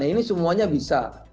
ini semuanya bisa